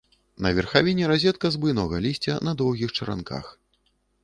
На верхавіне разетка з буйнога лісця на доўгіх чаранках.